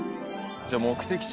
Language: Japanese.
じゃあ目的地